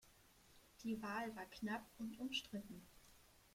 Die Wahl war knapp und umstritten.